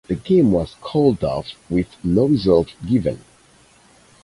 The game was called off with no result given.